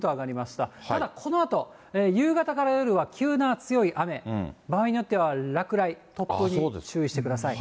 ただ、このあと夕方から夜は急な強い雨、場合によっては落雷、突風に注意してください。